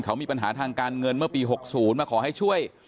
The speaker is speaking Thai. เขามีปัญหาทางการเงินเมื่อปี๖๐มาขอให้ช่วย